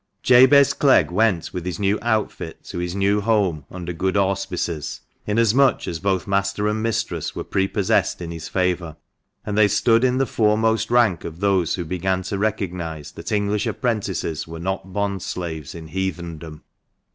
Jabez Clegg went, with his new outfit, to his new home under good auspices, inasmuch as both master and mistress were pre possessed in his favour, and they stood in the foremost rank of those who began to recognise that English apprentices were not bondslaves in heathendom.